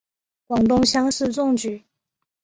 广东乡试中举。